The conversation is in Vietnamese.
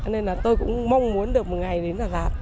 nên là tôi cũng mong muốn được một ngày đến đà lạt